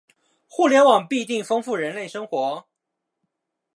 互联网必定会丰富人类生活